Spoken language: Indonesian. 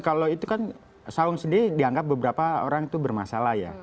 kalau itu kan saung sendiri dianggap beberapa orang itu bermasalah ya